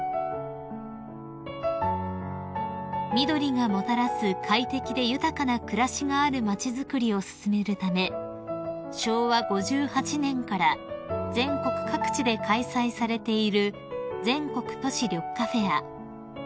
［緑がもたらす快適で豊かな暮らしがある街づくりを進めるため昭和５８年から全国各地で開催されている全国都市緑化フェア］